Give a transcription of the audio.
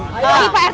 tuh dengerin apa tuh